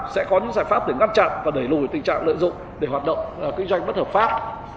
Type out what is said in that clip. sẽ có những giải pháp để ngăn chặn và đẩy lùi tình trạng lợi dụng để hoạt động kinh doanh bất hợp pháp